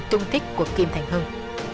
được truy tìm tung thích của kim thành hưng